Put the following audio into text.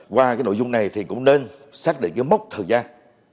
qua nội dung này thì cũng nên xác định mốc thời gian